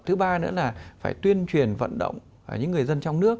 thứ ba nữa là phải tuyên truyền vận động những người dân trong nước